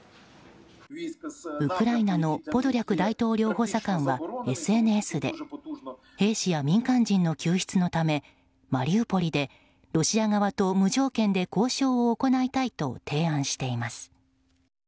ウクライナのポドリャク大統領補佐官はＳＮＳで兵士や民間人の救出のためマリウポリでロシア側と無条件で交渉を行いたいと提案しています。